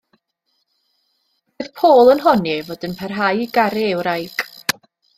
Roedd Paul yn honni ei fod yn parhau i garu ei wraig.